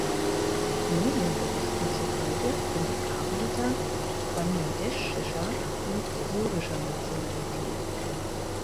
Medienberichten zufolge sind die Arbeiter bangladeschischer und syrischer Nationalität.